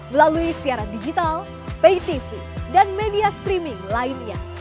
melalui siaran digital pay tv dan media streaming lainnya